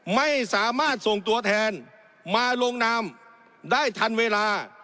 ไม่สามารถส่งตัวแทนมาลงนามได้ทันเวลา